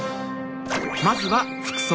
まずは服装。